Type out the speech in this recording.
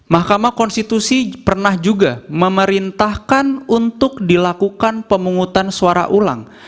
mahkamah konstitusi pernah juga memerintahkan untuk dilakukan pemungutan suara ulang